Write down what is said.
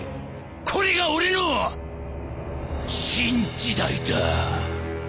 これが俺の新時代だ。